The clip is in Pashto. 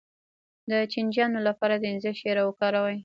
د چینجیانو لپاره د انځر شیره وکاروئ